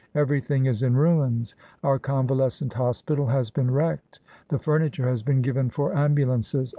Everything is in ruins. Our convalescent hospital has been wrecked; the furniture has been given for ambulances.